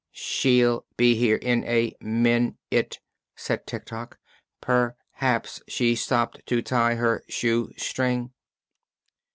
"She'll be here in a min ute," said Tik Tok. "Per haps she stopped to tie her shoe string."